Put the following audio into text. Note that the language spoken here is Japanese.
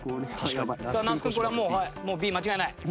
さあ那須君これはもうＢ間違いない？